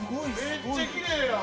めっちゃきれいやん！